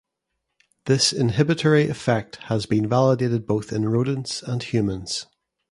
This inhibitory effect has been validated both in rodents and humans.